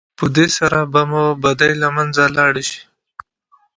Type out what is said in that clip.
په دې سره به مو بدۍ له منځه لاړې شي.